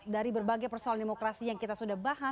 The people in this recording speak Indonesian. dari berbagai persoalan demokrasi yang kita sudah bahas